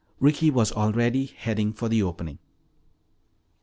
Ricky was already heading for the opening.